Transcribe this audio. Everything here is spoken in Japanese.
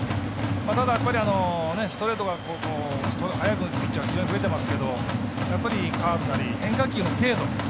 ただ、ストレートが速いピッチャー非常に増えてますが、カーブなり変化球の精度